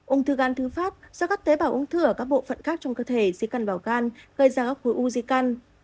ung thư gan thư phát do các tế bảo ung thư ở các bộ phận khác trong cơ thể di cân vào gan gây ra các khối u di cân